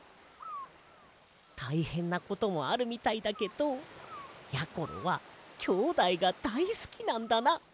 たいへんなこともあるみたいだけどやころはきょうだいがだいすきなんだな。